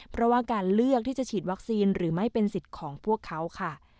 เพราะว่าการเลือกที่จะฉีดวัคซีนหรือไม่เป็นสิทธิ์ของพวกเขาค่ะ